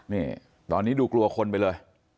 นี่ตอนนี้ดูกลัวคนไปเลย